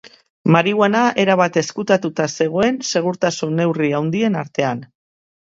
Marihuana erabat ezkutatu zegoen segurtasun neurri handien artean.